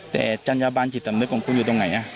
แต่จัญญาบันจิตสำนึกของคุณอยู่ตรงไหน